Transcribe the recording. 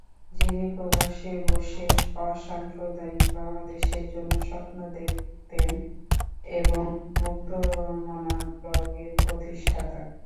যিনি প্রবাসে বসে অসাম্প্রদায়িক বাংলাদেশের জন্য স্বপ্ন দেখতেন এবং মুক্তমনা ব্লগের প্রতিষ্ঠাতা।